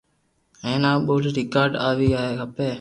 ھين آ ٻولي رآڪارذ ۔ آوي کپي